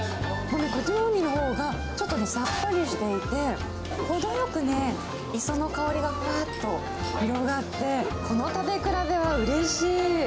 こっちのウニのほうが、ちょっとね、さっぱりしていて、程よくね、磯の香りがふわっと広がって、この食べ比べはうれしい。